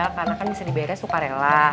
karena kan bisa dibayarnya suka rela